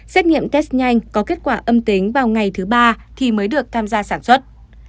xét nghiệm test nhanh có kết quả âm tính vào ngày thứ ba thì mới được tham gia sản xuất